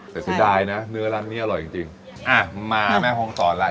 แต่เสียดายนะเนื้อร้านนี้อร่อยจริงจริงอ่ะมาแม่ห้องศรแล้ว